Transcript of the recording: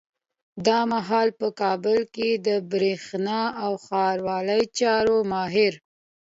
دا مهال په کابل کي د برېښنا او ښاروالۍ چارو ماهر